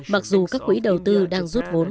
mặc dù các quỹ đầu tư đang rút vốn